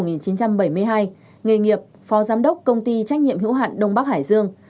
nghề nghiệp phó giám đốc công ty trách nhiệm hữu hạn đông bắc hải dương